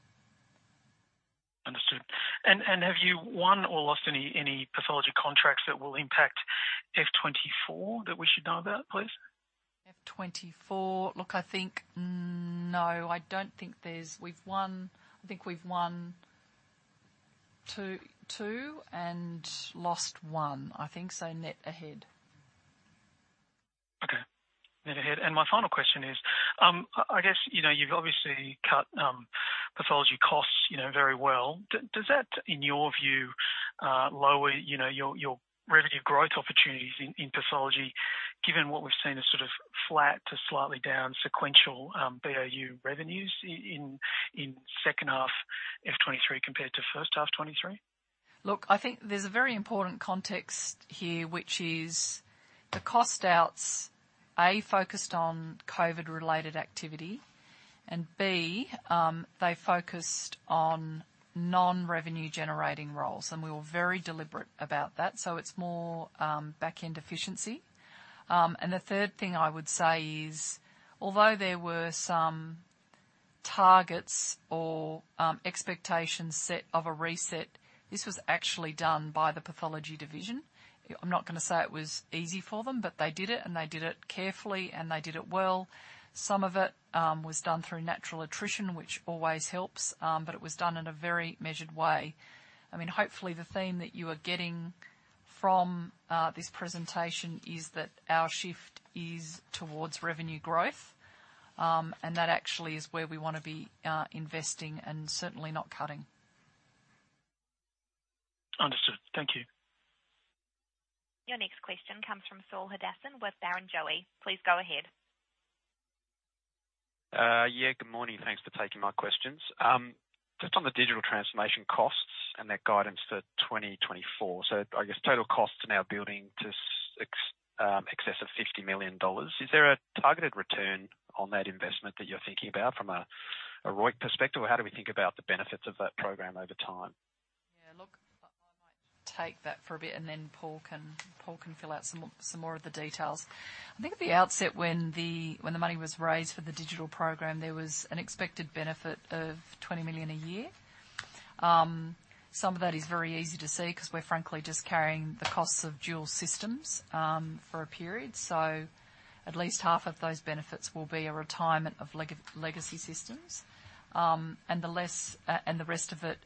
Understood. Have you won or lost any pathology contracts that will impact FY24 that we should know about, please? FY24? Look, I think, no, I don't think there's... We've won, I think we've won 2, 2 and lost 1, I think, so net ahead. Okay. Net ahead. And my final question is, I guess, you know, you've obviously cut pathology costs, you know, very well. Does that, in your view, lower, you know, your revenue growth opportunities in pathology, given what we've seen as sort of flat to slightly down sequential BAU revenues in second half FY23 compared to first half 2023? Look, I think there's a very important context here, which is the cost outs, A, focused on COVID-related activity, and B, they focused on non-revenue generating roles, and we were very deliberate about that, so it's more, back-end efficiency. And the third thing I would say is, although there were some targets or, expectations set of a reset, this was actually done by the pathology division. I'm not gonna say it was easy for them, but they did it, and they did it carefully, and they did it well. Some of it, was done through natural attrition, which always helps, but it was done in a very measured way. I mean, hopefully the theme that you are getting from this presentation is that our shift is towards revenue growth, and that actually is where we want to be investing and certainly not cutting. Understood. Thank you. Your next question comes from Saul Hadassin with Barrenjoey. Please go ahead. Yeah, good morning. Thanks for taking my questions. Just on the digital transformation costs and that guidance for 2024. So I guess total costs are now building to excess of 50 million dollars. Is there a targeted return on that investment that you're thinking about from a ROIC perspective? Or how do we think about the benefits of that program over time? Yeah, look, I, I might take that for a bit, and then Paul can, Paul can fill out some more, some more of the details. I think at the outset when the money was raised for the digital program, there was an expected benefit of 20 million a year. Some of that is very easy to see, because we're frankly just carrying the costs of dual systems for a period. So at least half of those benefits will be a retirement of legacy systems. And the rest of it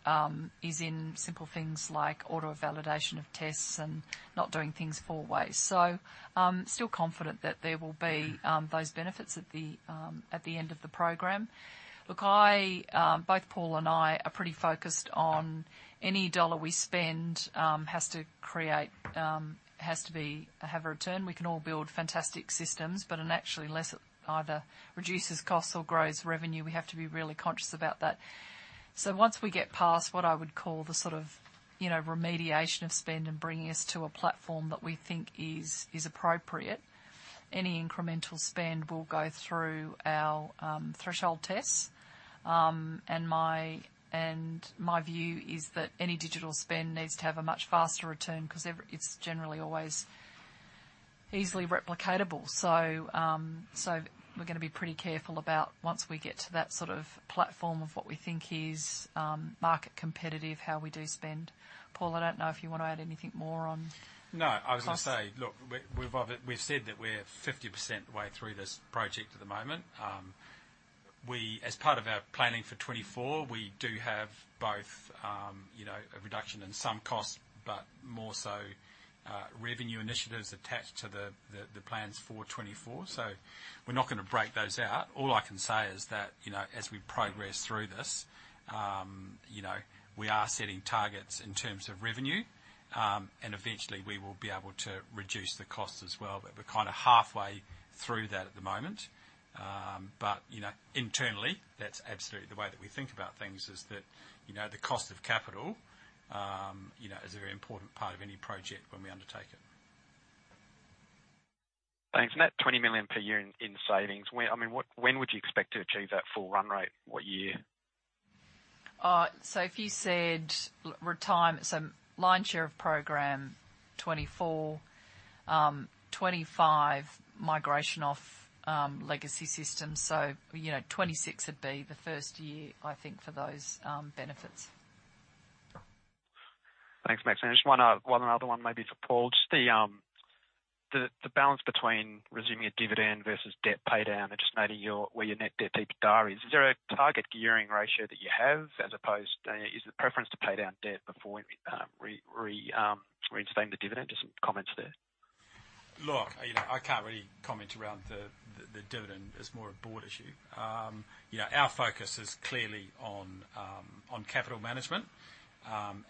is in simple things like auto validation of tests and not doing things four ways. So, I'm still confident that there will be those benefits at the end of the program. Look, I, both Paul and I are pretty focused on any dollar we spend, has to create, has to be, have a return. We can all build fantastic systems, but unless it either reduces costs or grows revenue, we have to be really conscious about that. So once we get past what I would call the sort of, you know, remediation of spend and bringing us to a platform that we think is, is appropriate, any incremental spend will go through our, threshold tests. And my, and my view is that any digital spend needs to have a much faster return, because every- it's generally always easily replicatable. So, so we're gonna be pretty careful about once we get to that sort of platform of what we think is, market competitive, how we do spend. Paul, I don't know if you want to add anything more on- No, I was gonna say, look, we, we've said that we're 50% the way through this project at the moment. We, as part of our planning for 2024, we do have both, you know, a reduction in some costs, but more so, revenue initiatives attached to the plans for 2024. So we're not gonna break those out. All I can say is that, you know, as we progress through this, you know, we are setting targets in terms of revenue, and eventually we will be able to reduce the costs as well. But we're kind of halfway through that at the moment. But, you know, internally, that's absolutely the way that we think about things, is that, you know, the cost of capital, you know, is a very important part of any project when we undertake it. Thanks. And that 20 million per year in savings, when, I mean, what, when would you expect to achieve that full run rate? What year? So if you said retirement, so lion's share of program 2024, 2025, migration off legacy systems. So, you know, 2026 would be the first year, I think, for those benefits. Thanks, Maxine. Just one, one other one maybe for Paul. Just the balance between resuming a dividend versus debt pay down and just maybe your, where your net debt peak to EBITDA is. Is there a target gearing ratio that you have, as opposed, is the preference to pay down debt before, reinstating the dividend? Just some comments there. Look, you know, I can't really comment around the dividend. It's more a board issue. Yeah, our focus is clearly on capital management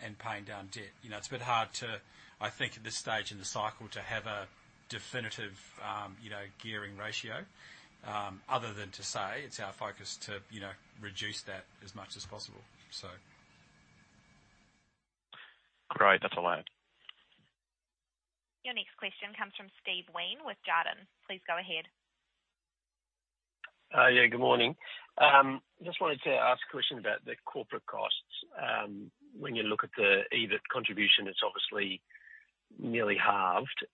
and paying down debt. You know, it's a bit hard to, I think, at this stage in the cycle, to have a definitive gearing ratio other than to say it's our focus to, you know, reduce that as much as possible, so. Great. That's all I had. Your next question comes from Steve Wheen with Jarden. Please go ahead. Yeah, good morning. Just wanted to ask a question about the corporate costs. When you look at the EBIT contribution, it's obviously nearly halved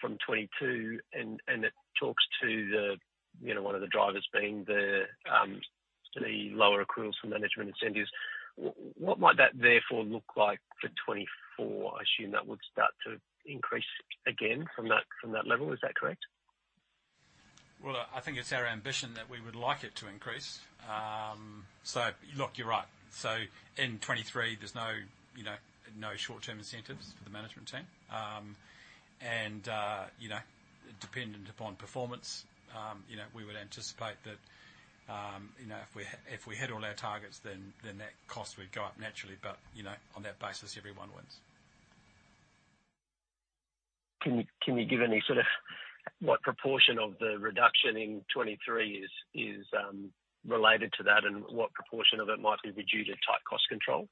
from 2022, and it talks to the, you know, one of the drivers being the lower accruals from management incentives. What might that therefore look like for 2024? I assume that would start to increase again from that level. Is that correct? Well, I think it's our ambition that we would like it to increase. So look, you're right. So in 2023, there's no, you know, no short-term incentives for the management team. And, you know, dependent upon performance, you know, we would anticipate that, you know, if we hit all our targets, then that cost would go up naturally. But, you know, on that basis, everyone wins. Can you give any sort of what proportion of the reduction in 2023 is related to that, and what proportion of it might be due to tight cost control?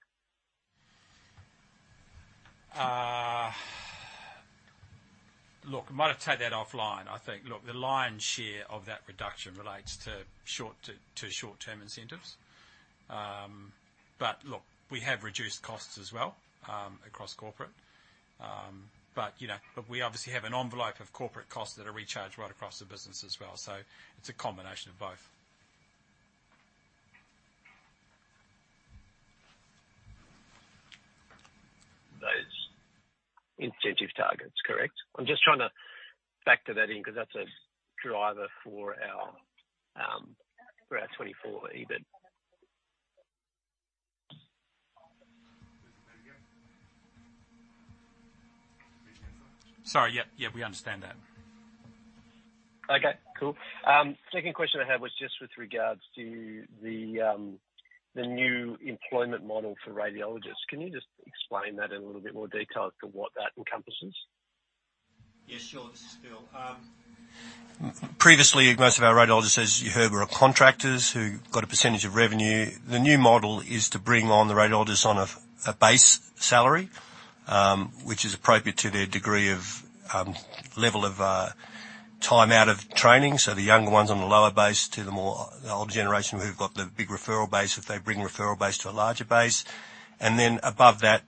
Look, I might take that offline. I think, look, the lion's share of that reduction relates to short-term, to short-term incentives. But look, we have reduced costs as well, across corporate. But, you know, but we obviously have an envelope of corporate costs that are recharged right across the business as well. So it's a combination of both. Those incentive targets, correct? I'm just trying to factor that in, because that's a driver for our, for our 24 EBIT. Sorry. Yeah, yeah, we understand that. Okay, cool. Second question I had was just with regards to the new employment model for radiologists. Can you just explain that in a little bit more detail as to what that encompasses? Yeah, sure. This is Phil. Previously, most of our radiologists, as you heard, were contractors who got a percentage of revenue. The new model is to bring on the radiologists on a base salary, which is appropriate to their degree of level of time out of training. So the younger ones on the lower base to the more older generation who've got the big referral base, if they bring referral base to a larger base, and then above that,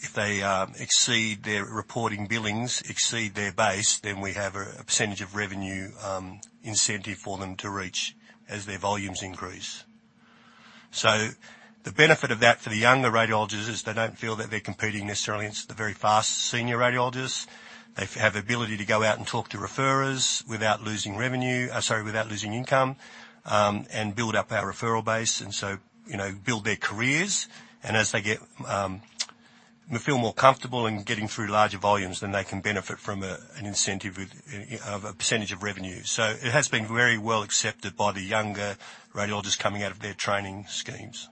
if they exceed their reporting billings, exceed their base, then we have a percentage of revenue incentive for them to reach as their volumes increase. So the benefit of that for the younger radiologists is they don't feel that they're competing necessarily against the very fast senior radiologists. They have ability to go out and talk to referrers without losing revenue, sorry, without losing income, and build up our referral base, and so, you know, build their careers. And as they get, feel more comfortable in getting through larger volumes, then they can benefit from a, an incentive with, of a percentage of revenue. So it has been very well accepted by the younger radiologists coming out of their training schemes.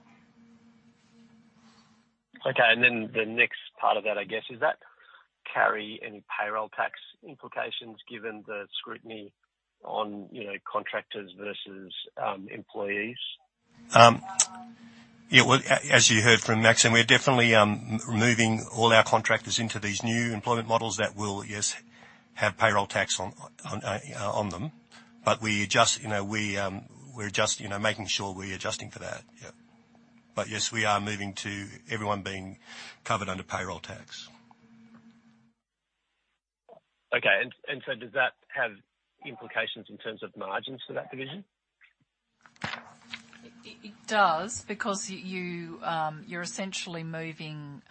Okay, and then the next part of that, I guess, does that carry any payroll tax implications given the scrutiny on, you know, contractors versus employees? Yeah, well, as you heard from Maxine, we're definitely moving all our contractors into these new employment models that will, yes, have payroll tax on them. But we adjust, you know, we, we're adjusting, you know, making sure we're adjusting for that. Yeah. But yes, we are moving to everyone being covered under payroll tax. Okay, and so does that have implications in terms of margins for that division? It does, because you're essentially moving,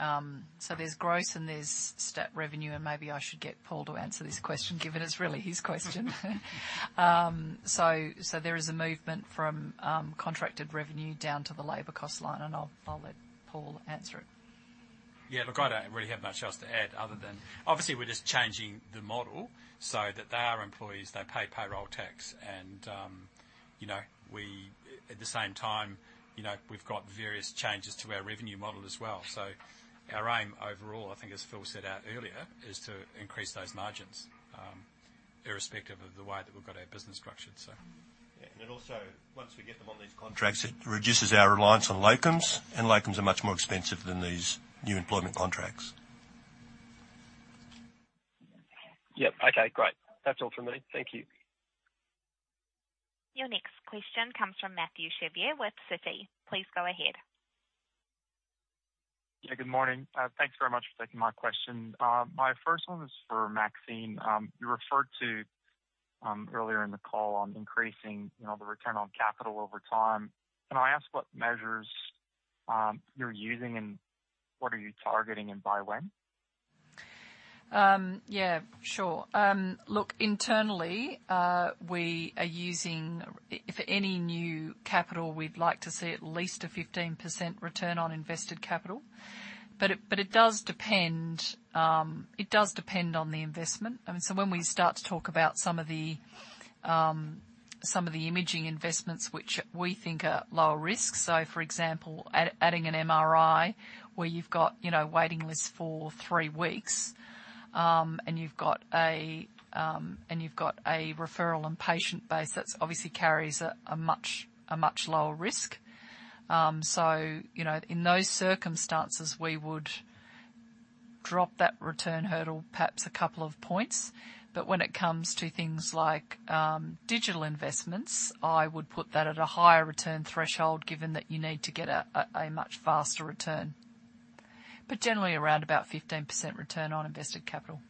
so there's gross and there's stat revenue, and maybe I should get Paul to answer this question, given it's really his question. So there is a movement from contracted revenue down to the labor cost line, and I'll let Paul answer it. Yeah, look, I don't really have much else to add, other than obviously we're just changing the model so that they are employees, they pay payroll tax, and, you know, we, at the same time, you know, we've got various changes to our revenue model as well. So our aim overall, I think, as Phil set out earlier, is to increase those margins, irrespective of the way that we've got our business structured, so. Yeah, and then also, once we get them on these contracts, it reduces our reliance on locums, and locums are much more expensive than these new employment contracts. Yep. Okay, great. That's all from me. Thank you. Your next question comes from Mathieu Chevrier with Citi. Please go ahead. Yeah, good morning. Thanks very much for taking my question. My first one is for Maxine. You referred to earlier in the call on increasing, you know, the return on capital over time. Can I ask what measures you're using, and what are you targeting, and by when? Yeah, sure. Look, internally, we are using for any new capital, we'd like to see at least a 15% return on invested capital. But it does depend, it does depend on the investment. I mean, so when we start to talk about some of the imaging investments, which we think are lower risk, so, for example, adding an MRI where you've got, you know, waiting lists for three weeks, and you've got a referral and patient base, that obviously carries a much lower risk. So, you know, in those circumstances, we would drop that return hurdle perhaps a couple of points. But when it comes to things like digital investments, I would put that at a higher return threshold, given that you need to get a much faster return. But generally, around about 15% return on invested capital.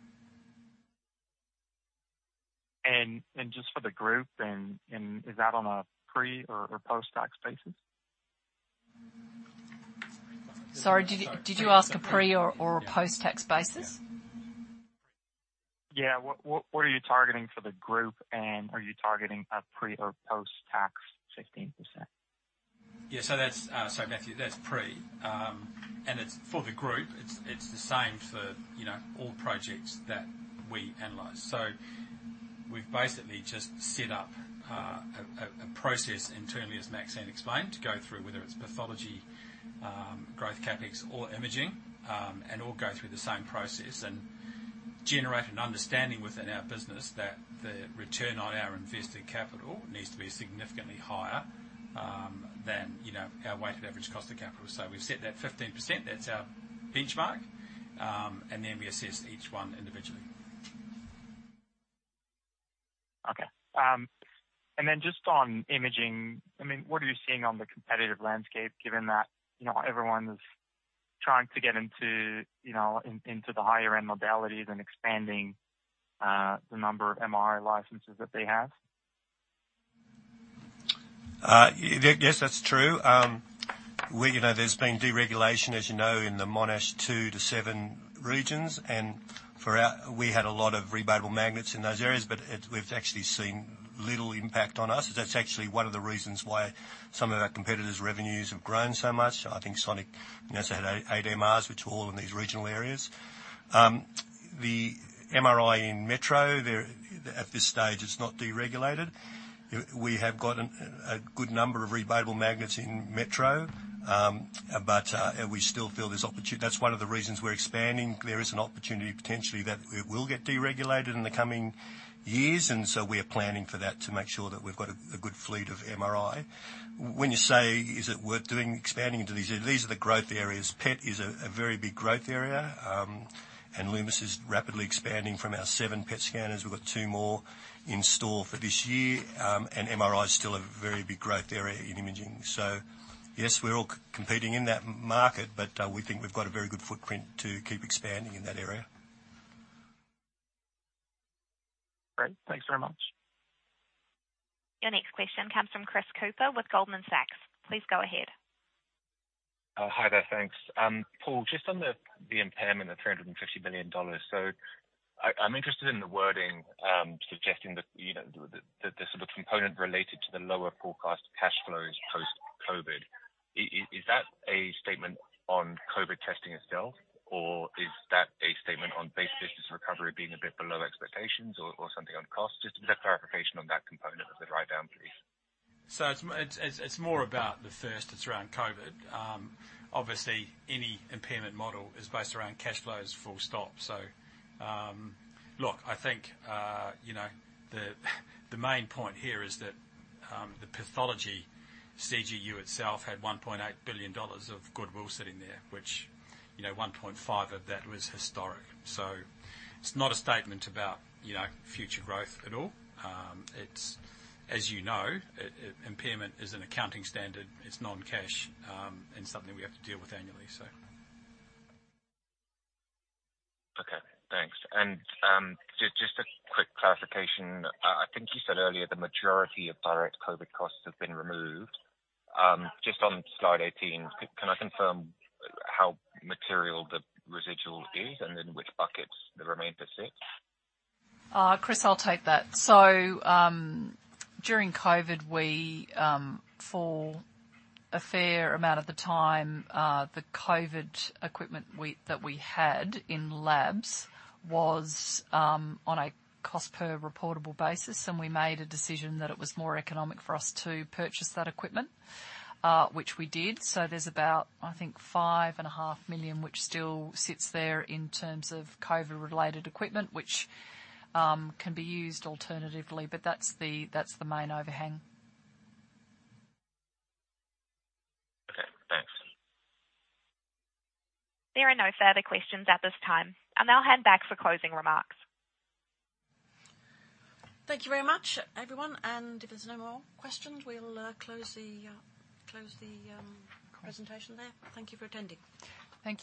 Just for the group, is that on a pre or post-tax basis? Sorry, did you ask a pre or post-tax basis? Yeah. What, what, what are you targeting for the group, and are you targeting a pre- or post-tax 15%? Yeah. So that's, So Matthew, that's pre. And it's, for the group, it's the same for, you know, all projects that we analyze. So we've basically just set up a process internally, as Maxine explained, to go through whether it's pathology, growth, CapEx, or imaging, and all go through the same process, and generate an understanding within our business that the return on our invested capital needs to be significantly higher, than, you know, our weighted average cost of capital. So we've set that 15%, that's our benchmark, and then we assess each one individually. Okay. And then just on imaging, I mean, what are you seeing on the competitive landscape, given that, you know, everyone is trying to get into, you know, into the higher-end modalities and expanding, the number of MRI licenses that they have? Yes, that's true. We, you know, there's been deregulation, as you know, in the more than two to seven regions, and for our—we had a lot of rebadged magnets in those areas, but it, we've actually seen little impact on us. That's actually one of the reasons why some of our competitors' revenues have grown so much. I think Sonic has 8 MRIs, which are all in these regional areas. The MRIs in metro, there, at this stage, it's not deregulated. We have got a good number of rebadged magnets in metro, but we still feel there's opportunity. That's one of the reasons we're expanding. There is an opportunity potentially that it will get deregulated in the coming years, and so we are planning for that to make sure that we've got a good fleet of MRI. When you say is it worth doing, expanding into these areas, these are the growth areas. PET is a very big growth area, and Lumus is rapidly expanding. From our 7 PET scanners, we've got 2 more in store for this year. And MRI is still a very big growth area in imaging. So yes, we're all competing in that market, but we think we've got a very good footprint to keep expanding in that area. Great. Thanks very much. Your next question comes from Chris Cooper with Goldman Sachs. Please go ahead. Hi there. Thanks. Paul, just on the, the impairment of 350 billion dollars, so I, I'm interested in the wording, suggesting that, you know, the, the sort of component related to the lower forecast cash flows post-COVID. Is that a statement on COVID testing itself, or is that a statement on base business recovery being a bit below expectations or, or something on cost? Just a bit of clarification on that component of the write down, please. So it's more about the first, it's around COVID. Obviously, any impairment model is based around cash flows, full stop. So, look, I think, you know, the main point here is that, the pathology CGU itself had 1.8 billion dollars of goodwill sitting there, which, you know, 1.5 of that was historic. So it's not a statement about, you know, future growth at all. It's, as you know, impairment is an accounting standard, it's non-cash, and something we have to deal with annually, so. Okay, thanks. And just a quick clarification. I think you said earlier, the majority of direct COVID costs have been removed. Just on slide 18, can I confirm how material the residual is and in which buckets the remainder sits? Chris, I'll take that. So, during COVID, we, for a fair amount of the time, the COVID equipment we that we had in labs was on a cost per reportable basis, and we made a decision that it was more economic for us to purchase that equipment, which we did. So there's about, I think, 5.5 million, which still sits there in terms of COVID-related equipment, which can be used alternatively, but that's the main overhang. Okay, thanks. There are no further questions at this time. I'll now hand back for closing remarks. Thank you very much, everyone, and if there's no more questions, we'll close the presentation there. Thank you for attending. Thank you.